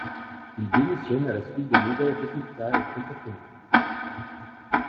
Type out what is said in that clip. Il démissionne à la suite de mauvais résultats et comportements.